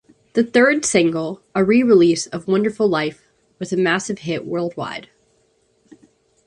The third single, a re-release of "Wonderful Life", was a massive hit worldwide.